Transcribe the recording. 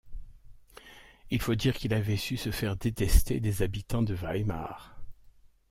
Il faut dire qu'il avait su se faire détester des habitants de Weimar.